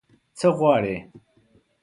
_څه غواړې؟